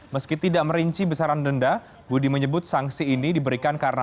meski tidak merinci besaran denda budi menyebut sanksi ini diberikan karena